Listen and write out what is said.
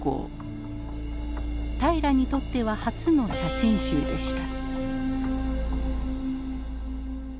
平良にとっては初の写真集でした。